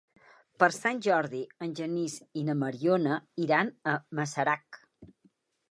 Per Sant Jordi en Genís i na Mariona iran a Masarac.